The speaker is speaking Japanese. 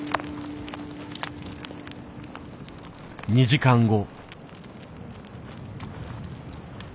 ２時間後。